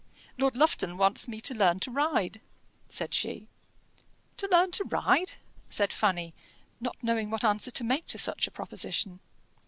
"Lord Lufton wants me to learn to ride," said she. "To learn to ride!" said Fanny, not knowing what answer to make to such a proposition.